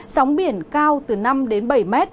sóng biển cao từ năm đến bảy mét